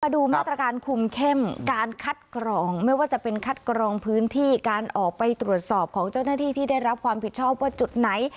ดูมาตรการคุมเข้มการคัดกรองไม่ว่าจะเป็นคัดกรองพื้นที่การออกไปตรวจสอบของเจ้าหน้าที่ที่ได้รับความผิดชอบว่าจุดไหน